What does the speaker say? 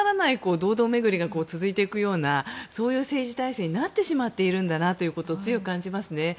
堂々巡りが続いていくようなそういう政治体制になってしまっているんだなと強く感じますね。